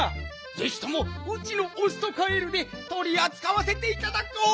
ぜひともうちのオストカエールでとりあつかわせていただこう。